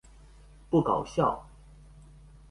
不搞笑